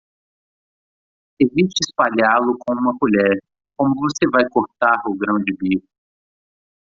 Evite espalhá-lo com uma colher, como você vai cortar o grão de bico.